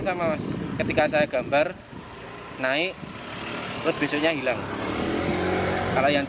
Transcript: sama mas ketika saya gambar naik terus besoknya hilang kalau yang